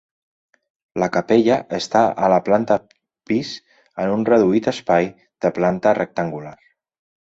La capella està a la planta pis en un reduït espai de planta rectangular.